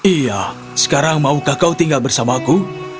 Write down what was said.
iya sekarang maukah kau tinggal bersamaku